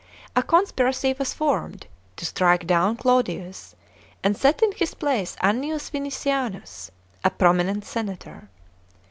A conspiracy was formed to strike down Claudius and set in his place L. Annius Vinicianus, a promi nent senator.